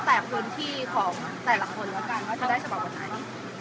แต่พื้นที่ของแต่ละคนก็จะได้ฉบับวันนี้